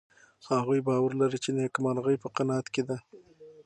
هغوی باور لري چې نېکمرغي په قناعت کې ده.